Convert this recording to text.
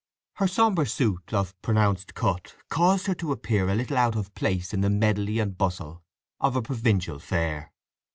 Her sombre suit, of pronounced cut, caused her to appear a little out of place in the medley and bustle of a provincial fair.